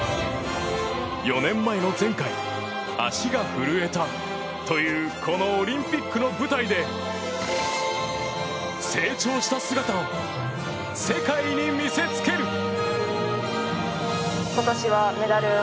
４年前の前回、足が震えたというこのオリンピックの舞台で成長した姿を世界に見せつける。